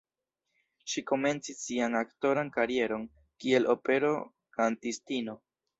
Ŝi komencis sian aktoran karieron, kiel opero-kantistino.